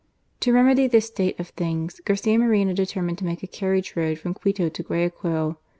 To remedy this state of things Garcia Moreno determined to make a carriage road from Quito to Guayaquil.